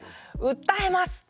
「訴えます！！」